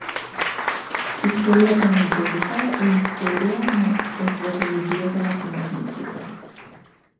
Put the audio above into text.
Историјата на идеите е историја на осветољубието на самотниците.